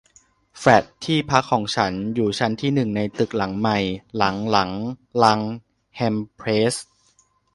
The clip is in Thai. แฟลตที่พักของฉันอยู่ชั้นที่หนึ่งในตึกหลังใหม่หลังหลังลังแฮมเพลส